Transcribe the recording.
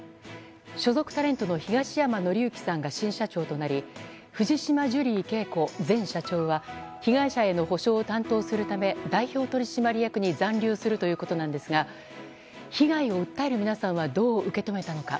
所属タレントの東山紀之さんが新社長となり藤島ジュリー景子前社長は被害者への補償を担当するため代表取締役に残留するということなんですが被害を訴える皆さんはどう受け止めたのか。